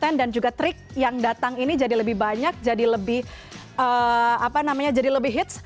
dan konten dan juga trik yang datang ini jadi lebih banyak jadi lebih hits